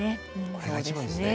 これが一番ですね。